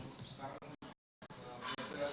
jumlah senjata dan jenis senjata